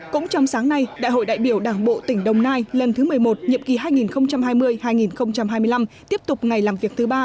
cũng trong sáng nay đại hội đại biểu đảng bộ tỉnh đồng nai lần thứ một mươi một nhiệm kỳ hai nghìn hai mươi hai nghìn hai mươi năm tiếp tục ngày làm việc thứ ba